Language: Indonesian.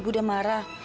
ibu udah marah